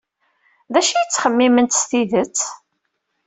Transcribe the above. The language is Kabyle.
D acu ay ttxemmiment s tidet?